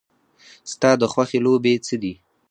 ستا د خوښې لوبې څه دي؟